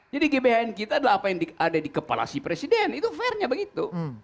jadi gbhn kita adalah apa yang ada di kepala si presiden itu fairnya begitu